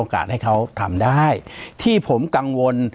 ปากกับภาคภูมิ